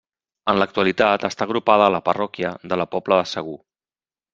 En l'actualitat està agrupada a la parròquia de la Pobla de Segur.